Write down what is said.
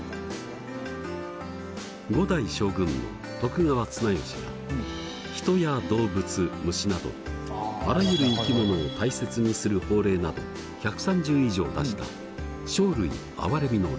五代将軍の徳川綱吉が人や動物虫などあらゆる生き物を大切にする法令など１３０以上出した生類憐みの令。